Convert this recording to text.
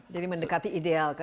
jadi mendekati ideal kan dua satu